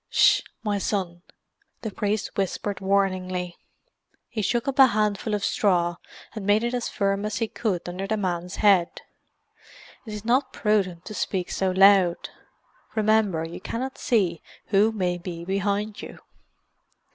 "Ss h, my son!" the priest whispered warningly. He shook up a handful of straw and made it as firm as he could under the man's head. "It is not prudent to speak so loud. Remember you cannot see who may be behind you."